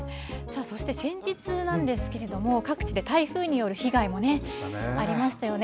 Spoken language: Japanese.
そして、先日なんですけれども、各地で台風による被害もありましたよね。